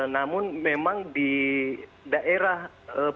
namun memang di daerah